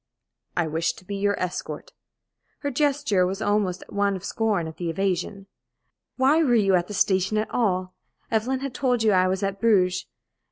"I wished to be your escort." Her gesture was almost one of scorn at the evasion. "Why were you at the station at all? Evelyn had told you I was at Bruges.